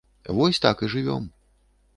Вось так і жывём.